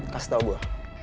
kasih tau gue